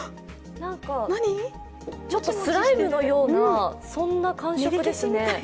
ちょっとスライムのようなそんな感触ですね。